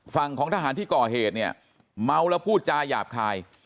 ฝั่งของทหารที่ก่อเหตุเนี่ยเมาแล้วพูดจาหยาบคาย